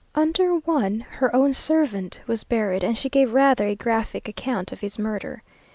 Under one her own servant was buried, and she gave rather a graphic account of his murder.